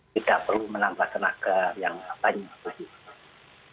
tidak perlu menambah tenaga yang banyak